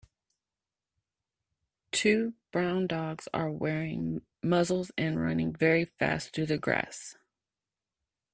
Two brown dogs are wearing muzzles and running very fast through the grass.